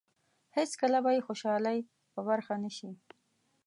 هېڅکله به یې خوشالۍ په برخه نه شي.